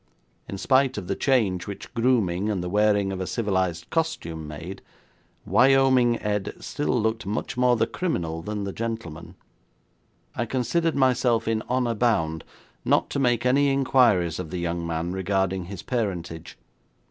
In spite of the change which grooming and the wearing of a civilised costume made, Wyoming Ed still looked much more the criminal than the gentleman. I considered myself in honour bound not to make any inquiries of the young man regarding his parentage.